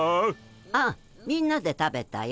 ああみんなで食べたよ。